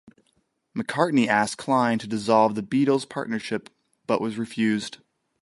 McCartney asked Klein to dissolve the Beatles' partnership, but was refused.